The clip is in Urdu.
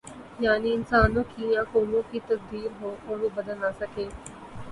یعنی انسانوں کی یا قوموں کی تقدیر ہو اور وہ بدل نہ سکے۔